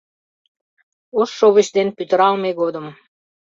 Ош шовыч ден пӱтыралме годым